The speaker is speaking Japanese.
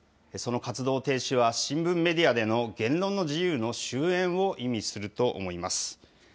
その活動停止は、新聞メディアでの言論の自由の終えんを意味すると思います。